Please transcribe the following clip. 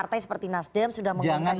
partai seperti nasdem sudah mengangkat calonnya